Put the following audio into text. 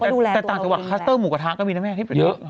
ใช่แต่ต่างจากสำหรับคัสเตอร์หมูกระทะก็มีนะแม่ที่ประโยชน์มันเยอะเยอะ